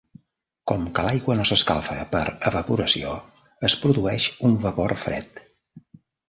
Com que l'aigua no s'escalfa per evaporació, es produeix un vapor fred.